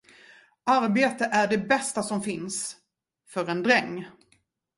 Arbete är det bästa som finns — för en dräng.